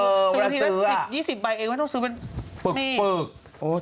สุนาทีละ๑๐๒๐ใบเองไม่ต้องซื้อเป็น